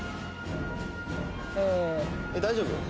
大丈夫？